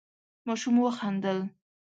ماشوم وخندل.